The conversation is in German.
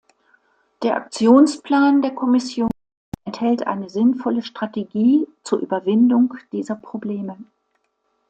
Der Aktionsplan der Kommission enthält eine sinnvolle Strategie zur Überwindung dieser Probleme.